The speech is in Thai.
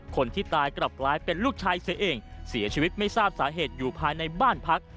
คนที่ตายกลับกลายเป็นลูกชายเสียเองเสียชีวิตไม่ทราบสาเหตุอยู่ภายในบ้านพัก